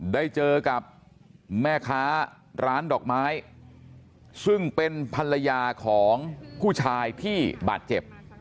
ได้เจอกับแม่ค้าร้านดอกไม้ซึ่งเป็นภรรยาของผู้ชายที่บาดเจ็บ